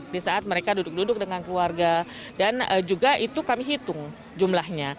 di saat mereka duduk duduk dengan keluarga dan juga itu kami hitung jumlahnya